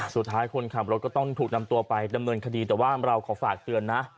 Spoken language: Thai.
คนขับรถก็ต้องถูกนำตัวไปดำเนินคดีแต่ว่าเราขอฝากเตือนนะ